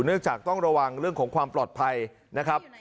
เนื่องจากต้องระวังเรื่องของความปลอดภัยนะครับ